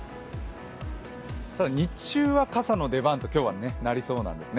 日中は傘の出番と今日はなりそうですね。